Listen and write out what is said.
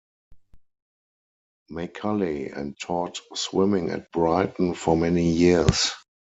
Maculley and taught swimming at Brighton for many years.